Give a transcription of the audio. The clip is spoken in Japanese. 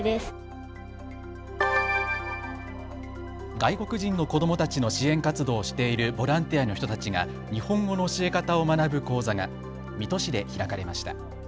外国人の子どもたちの支援活動をしているボランティアの人たちが日本語の教え方を学ぶ講座が水戸市で開かれました。